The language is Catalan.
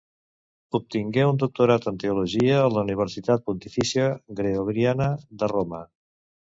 Obtingué un doctorat en teologia a la Universitat Pontifícia Gregoriana de Roma.